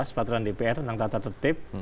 peraturan dpr tentang tata tertib